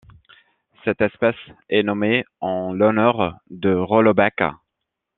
Cette espèce est nommée en l'honneur de Rollo Beck.